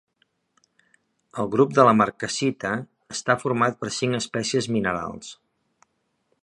El grup de la marcassita està format per cinc espècies minerals.